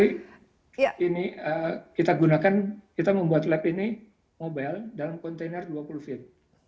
ini kita gunakan kita membuat lab ini mobile dalam kontainer dua puluh feet